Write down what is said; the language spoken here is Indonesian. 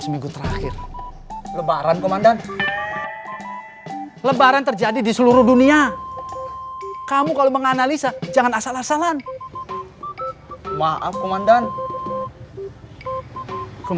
yang dianggur agel apa yang mau lakukan nugas rendah anderes bridge